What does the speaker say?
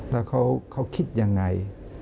แล้วเขาคิดอย่างไร